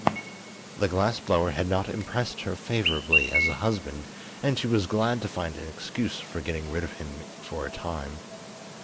The glass blower had not impressed her favorably as a husband, and she was glad to find an excuse for getting rid of him for a time.